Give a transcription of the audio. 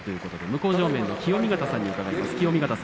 向正面の清見潟さんに伺いましょう。